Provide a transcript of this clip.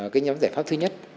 cái nhóm giải pháp thứ nhất